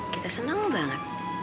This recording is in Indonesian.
kita seneng banget